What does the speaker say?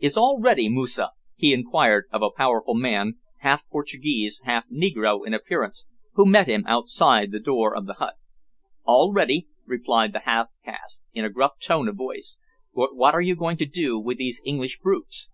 "Is all ready, Moosa?" he inquired of a powerful man, half Portuguese, half negro in appearance, who met him outside the door of the hut. "All ready," replied the half caste, in a gruff tone of voice, "but what are you going to do with these English brutes?"